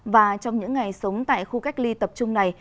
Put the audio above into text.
và trong những ngày sống tại khu cách ly tập trung này